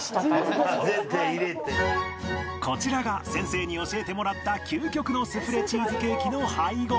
こちらが先生に教えてもらった究極のスフレチーズケーキの配合